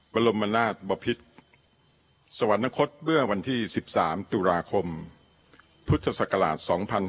บรมนาศบพิษสวรรคตเมื่อวันที่๑๓ตุลาคมพุทธศักราช๒๕๖๒